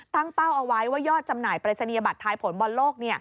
เป้าเอาไว้ว่ายอดจำหน่ายปริศนียบัตรทายผลบอลโลก